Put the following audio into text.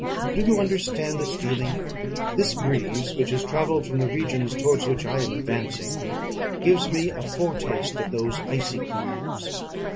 Do you understand this feeling? This breeze, which has travelled from the regions towards which I am advancing, gives me a foretaste of those icy climes.